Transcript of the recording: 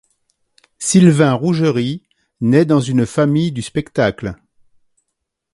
Sylvain Rougerie naît dans une famille du spectacle.